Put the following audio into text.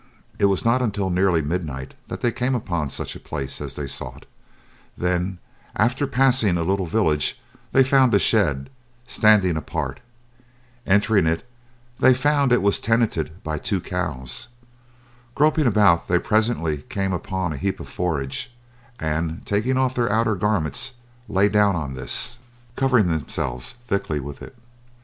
It was not until nearly midnight that they came upon such a place as they sought, then after passing a little village they found a shed standing apart. Entering it they found that it was tenanted by two cows. Groping about they presently came upon a heap of forage, and taking off their outer garments lay down on this, covering themselves thickly with it.